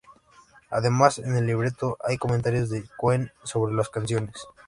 Además, en el libreto hay comentarios de Cohen sobre las canciones.